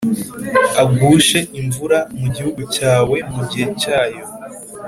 agushe imvura mu gihugu cyawe mu gihe cyayo,